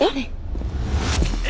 え？